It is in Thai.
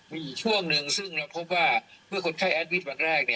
มีอีกช่วงหนึ่งซึ่งเราพบว่าเมื่อคนไข้แอดวิทย์วันแรก